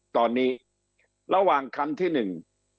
ตอนนี้ระหว่างคันที่หนึ่ง